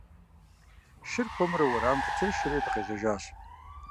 Шыр хуэмурэ уэрамым къытесшэри, дыкъежьэжащ.